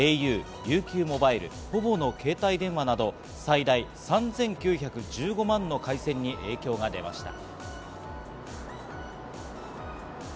ａｕ、ＵＱモバイル、ｐｏｖｏの携帯電話など最大３９１５万の回線に影響が出ました。